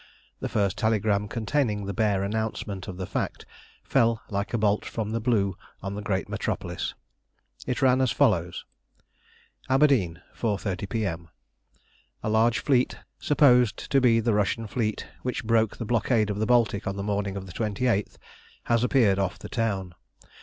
The first telegram containing the bare announcement of the fact fell like a bolt from the blue on the great Metropolis. It ran as follows: Aberdeen, 4.30 P.M. A large fleet, supposed to be the Russian fleet which broke the blockade of the Baltic on the morning of the 28th, has appeared off the town.